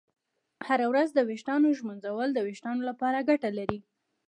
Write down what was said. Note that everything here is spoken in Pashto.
هره ورځ د ویښتانو ږمنځول د ویښتانو لپاره ګټه لري.